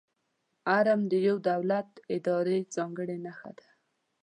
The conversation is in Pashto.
آرم د یو دولت، ادارې ځانګړې نښه ده.